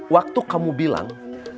waktu kamu bilang